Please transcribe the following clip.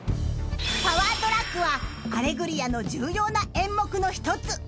［パワートラックは『アレグリア』の重要な演目の一つ］